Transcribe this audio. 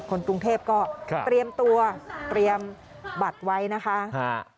คนกรุงเทพก็เตรียมตัวเตรียมบัตรไว้นะคะ